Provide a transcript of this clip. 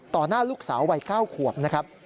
หน้าลูกสาววัย๙ขวบนะครับ